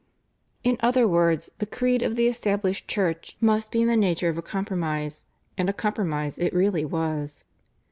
In other words the creed of the established Church must be in the nature of a compromise, and a compromise it really was.